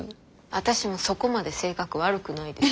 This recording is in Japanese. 私もそこまで性格悪くないです。